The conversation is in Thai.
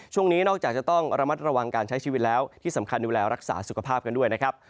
ช่วงนี้นอกจากจะต้องระมัดระวังการใช้ชีวิตแล้วที่สำคัญดูแลรักษาสุขภาพกันด้วยนะครับ